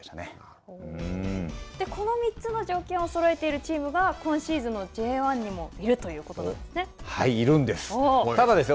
この３つの条件をそろえているチームが今シーズンのＪ１にもいるということなんですね。